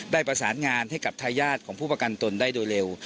ประสานงานให้กับทายาทของผู้ประกันตนได้โดยเร็ว